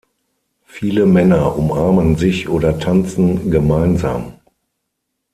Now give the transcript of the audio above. Viele Männer umarmen sich oder tanzen gemeinsam.